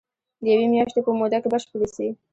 د يوې مياشتي په موده کي بشپړي سي.